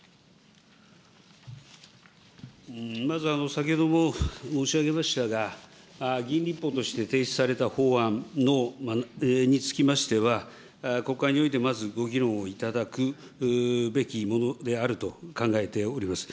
まず先ほども申し上げましたが、議員立法として提出された法案の、につきましては、国会においてまずご議論をいただくべきものであると考えております。